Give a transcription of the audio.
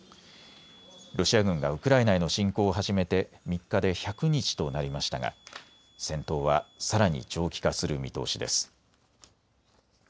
ロシア軍がウクライナへの侵攻を始めて３日で１００日となりましたが戦闘はさらに長期化する見通しです。